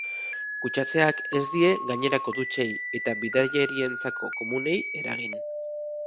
Kutsatzeak ez die gainerako dutxei eta bidaiarientzako komunei eragin.